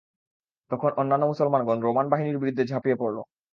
তখন অন্যান্য মুসলমানগণ রোমান বাহিনীর বিরুদ্ধে ঝাঁপিয়ে পড়ল।